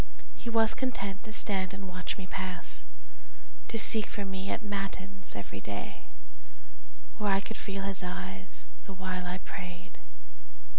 He was content to stand and watch me pass, To seek for me at matins every day, Where I could feel his eyes the while I prayed.